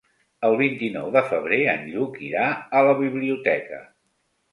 El vint-i-nou de febrer en Lluc irà a la biblioteca.